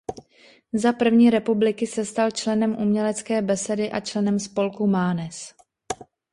Za První republiky se stal členem Umělecké besedy a členem spolku Mánes.